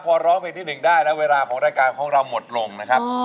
พอร้องเพลงที่๑ได้แล้วเวลาของรายการของเราหมดลงนะครับ